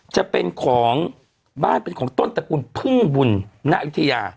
จะเป็นของบ้านเป็นของต้นตระกูลพึ่งบุญณยุธยา